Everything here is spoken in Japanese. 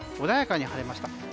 穏やかに晴れました。